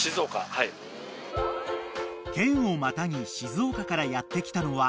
［県をまたぎ静岡からやって来たのは］